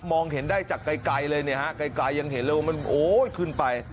มองเห็นได้จากไกลเลยเนี่ยฮะไกลยังเห็นเลยว่ามันโอ๊ยขึ้นไป